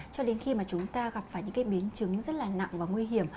cho đến khi mà chúng ta gặp phải những cái biến chứng rất là nặng và nguy hiểm